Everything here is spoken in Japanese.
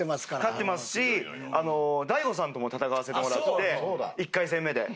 勝ってますし大悟さんとも戦わせてもらって１回戦目で。